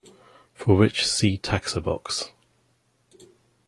For which see taxobox.